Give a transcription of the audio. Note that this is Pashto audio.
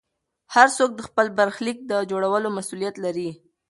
هر څوک د خپل برخلیک د جوړولو مسوولیت لري.